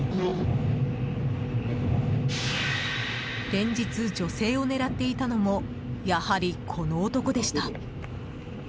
連日、女性を狙っていたのもやはりこの男でした。